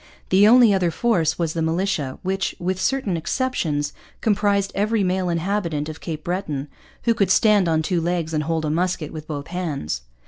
The only other force was the militia, which, with certain exceptions, comprised every male inhabitant of Cape Breton who could stand on two legs and hold a musket with both hands.